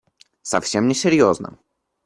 Совсем не серьезно.